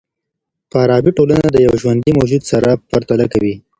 فارابي ټولنه د یوه ژوندي موجود سره پرتله کوي.